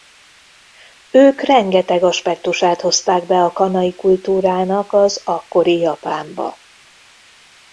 Ők rengeteg aspektusát hozták be a kanai kultúrának az akkori japánba.